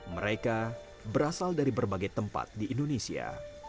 mereka berasal dari berbagai tempat di indonesia